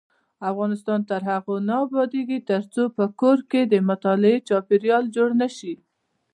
افغانستان تر هغو نه ابادیږي، ترڅو په کور کې د مطالعې چاپیریال جوړ نشي.